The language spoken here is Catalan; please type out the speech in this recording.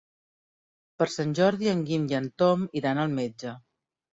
Per Sant Jordi en Guim i en Tom iran al metge.